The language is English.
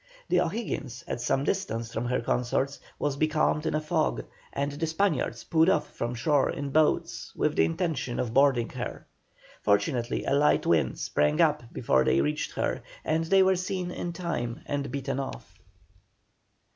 The O'Higgins, at some distance from her consorts, was becalmed in a fog, and the Spaniards put off from shore in boats with the intention of boarding her. Fortunately a light wind sprang up before they reached her, and they were seen in time and beaten off.